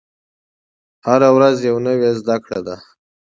هره ورځ یوه نوې زده کړه ده.